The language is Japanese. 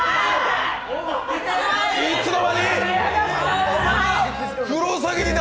いつの間に！